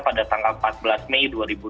pada tanggal empat belas mei dua ribu dua puluh